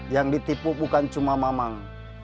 yang ditipu bukan cuma mamang